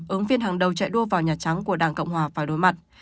ứng viên hàng đầu chạy đua vào nhà trắng của đảng cộng hòa phải đối mặt